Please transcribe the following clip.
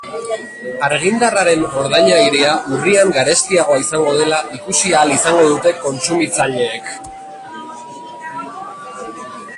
Argindarraren ordainagiria urrian garestiagoa izango dela ikusi ahal izango dute kontsumitzaileek.